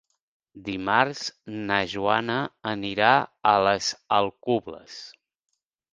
Dimarts na Joana anirà a les Alcubles.